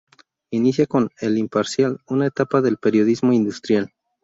Inicia con "El Imparcial" una etapa del periodismo industrial.